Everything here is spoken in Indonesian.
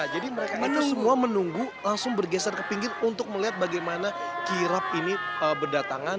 mereka semua menunggu langsung bergeser ke pinggir untuk melihat bagaimana kirap ini berdatangan